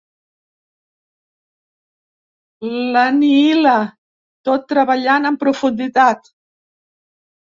L'anihila tot treballant en profunditat.